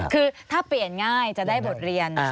คือถ้าเปลี่ยนง่ายจะได้บทเรียน